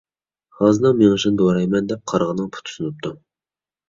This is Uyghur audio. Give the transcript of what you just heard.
غازنىڭ مېڭىشىنى دورايمەن دەپ قاغىنىڭ پۇتى سۇنۇپتۇ.